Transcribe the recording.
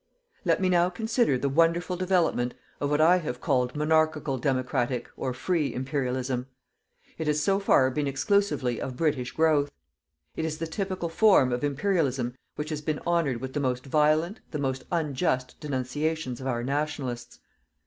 Let me now consider the wonderful development of what I have called Monarchical Democratic or free Imperialism. It has so far been exclusively of British growth. It is the typical form of Imperialism which has been honoured with the most violent, the most unjust, denunciations of our "Nationalists".